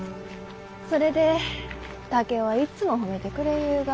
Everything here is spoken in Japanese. それで竹雄はいつも褒めてくれゆうが。